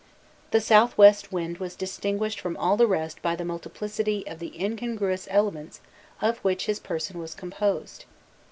The South West Wind was distinguished from all the rest by the multiplicity of the incongruous elements of which his person was composed.